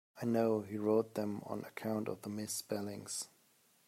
I know he wrote them on account of the misspellings.